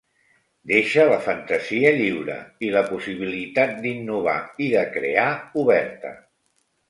Deixe la fantasia lliure, i la possibilitat d’innovar i de crear, oberta.